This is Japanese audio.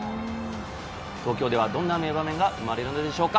東京ではどんな名場面が生まれるんでしょうか？